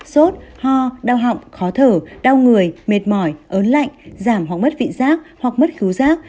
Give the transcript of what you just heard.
sốt ho đau họng khó thở đau người mệt mỏi ớn lạnh giảm hoặc mất vị giác hoặc mất cứu giác